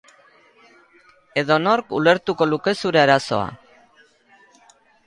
Edonork ulertuko luke zure arazoa.